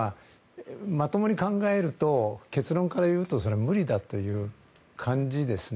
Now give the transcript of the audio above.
まともに考えると結論から言うと無理だという感じですね。